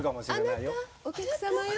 あなたお客様よ。